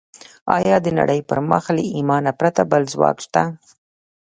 ايا د نړۍ پر مخ له ايمانه پرته بل ځواک شته؟